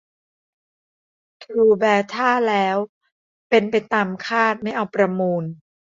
ทรูแบท่าแล้วเป็นไปตามคาดไม่เอาประมูล